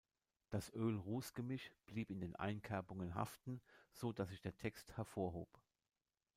Das Öl-Ruß-Gemisch blieb in den Einkerbungen haften, sodass sich der Text hervorhob.